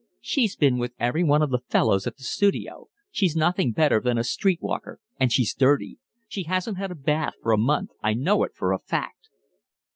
"She's been with every one of the fellows at the studio. She's nothing better than a street walker. And she's dirty. She hasn't had a bath for a month. I know it for a fact."